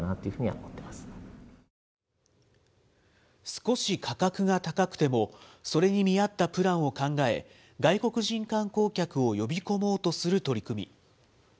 少し価格が高くても、それに見合ったプランを考え、外国人観光客を呼び込もうとする取り組み。